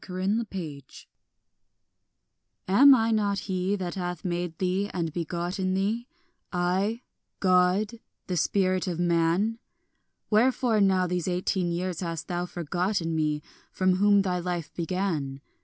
QUIA MULTUM AMAVIT AM I not he that hath made thee and begotten thee, I, God, the spirit of man? Wherefore now these eighteen years hast thou forgotten me, From whom thy life began?